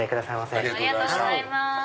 ありがとうございます。